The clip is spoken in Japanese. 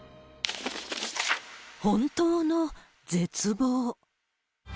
本当の絶望。